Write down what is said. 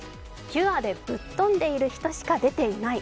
ピュアでぶっ飛んでいる人しか出ていない。